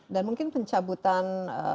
dan mungkin pencabutan